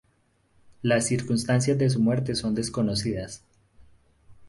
Las circunstancias de su muerte son desconocidas.